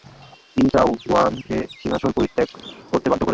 তিনি চাও হুয়ানকে সিংহাসন পরিত্যাগ করতে বাধ্য করেন।